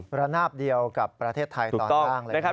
ระนาบเดียวกับประเทศไทยตอนล่างเลยครับ